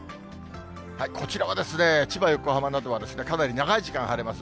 こちらは千葉、横浜などはかなり長い時間晴れます。